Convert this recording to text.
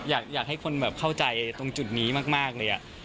อยากให้คนแบบเข้าใจตรงจุดนี้มากเลย